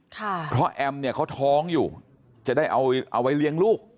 เพราะแอมเนี่ยเขาท้องอยู่จะได้เอาไว้เลี้ยงลูก